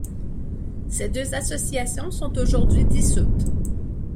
Ces deux associations sont aujourd'hui dissoutes.